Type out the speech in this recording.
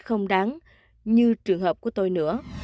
không đáng như trường hợp của tôi nữa